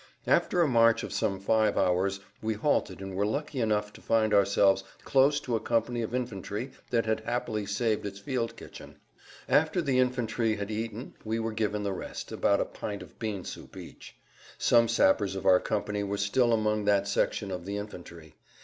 After a march of some five hours we halted and were lucky enough to find ourselves close to a company of infantry that had happily saved its field kitchen. After the infantrymen had eaten we were given the rest, about a pint of bean soup each. Some sappers of our company were still among that section of the[Pg 121] infantry.